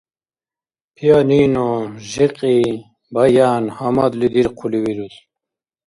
Пианино, жикьи, баян гьамадли дирхъули вирус.